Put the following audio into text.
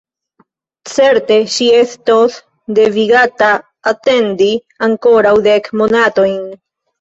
Certe ŝi estos devigata atendi ankoraŭ dek monatojn.